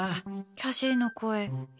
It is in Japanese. キャシーの声